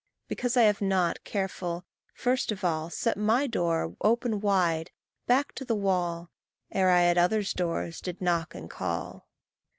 Because I have not, careful, first of all, Set my door open wide, back to the wall, Ere I at others' doors did knock and call.